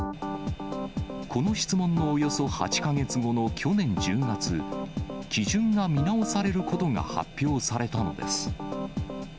この質問のおよそ８か月後の去年１０月、基準が見直されることが発表されたのです。